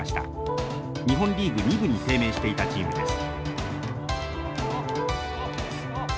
日本リーグ２部に低迷していたチームです。